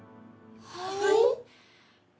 はい？